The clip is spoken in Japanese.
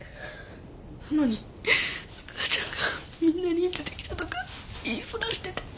なのに母ちゃんがみんなにいつできたとか言いふらしてて。